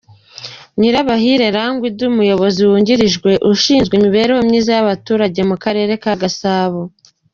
Nyirabahire Languida umuyobozi wungirije ushinzwe imibereho myiza y'abaturage mu karere ka Gasabo .